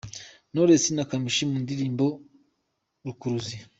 Knowless na Kamichi mu ndirimbo Rukuruzi.